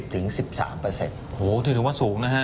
ถือถึงว่าสูงนะฮะ